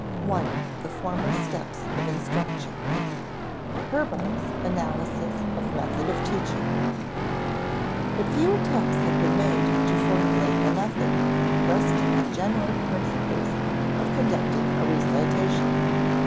§ 1. The Formal Steps of Instruction [Sidenote: Herbart's analysis of method of teaching] But few attempts have been made to formulate a method, resting on general principles, of conducting a recitation.